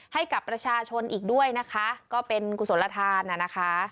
ให้กับประชาชนอีกด้วยนะคะก็เป็นกุศลทานน่ะนะคะ